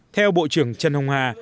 theo bộ trưởng trần hồng hà